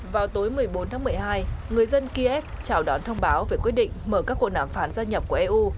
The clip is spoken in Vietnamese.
vào tối một mươi bốn tháng một mươi hai người dân kiev chào đón thông báo về quyết định mở các cuộc nàm phán gia nhập của eu